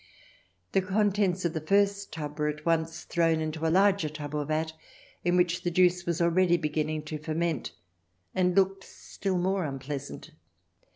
The contents of the first tub were at once thrown into a larger tub or vat, in which the juice was already beginning to ferment, and looked still more unpleasant.